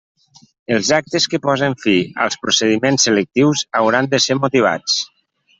Els actes que posen fi als procediments selectius hauran de ser motivats.